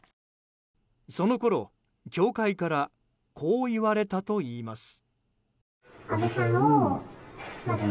そのころ、教会からこう言われたといいます。